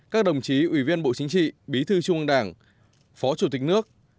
các đồng chí ủy viên bộ chính trị bí thư trung ương đảng phó chủ tịch nước